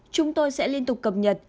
chúng tôi sẽ liên tục cập nhật